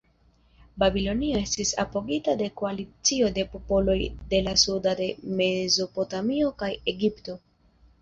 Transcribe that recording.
Babilonio estis apogita de koalicio de popoloj de la sudo de Mezopotamio kaj Egipto.